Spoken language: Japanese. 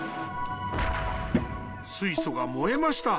水素が燃えました。